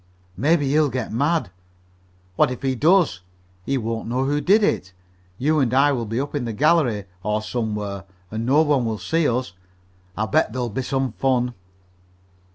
"Maybe he'll get mad." "What if he does? He won't know who did it. You and I will be up in the gallery, or somewhere, and no one will see us. I'll bet there'll be some fun."